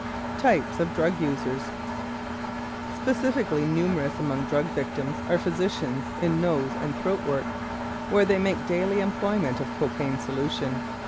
TYPES OF DRUG USERS Specially numerous among drug victims are physicians in nose and throat work, where they make daily employment of cocaine solution.